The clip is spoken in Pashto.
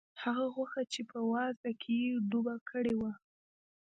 هغه غوښه چې په وازده کې یې ډوبه کړې وه.